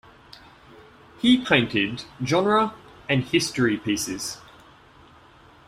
He painted genre and history pieces.